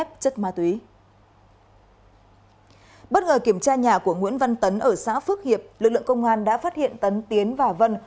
bất ngờ kiểm tra nhà của nguyễn văn tấn ở xã phước hiệp lực lượng công an đã phát hiện tấn tiến và vân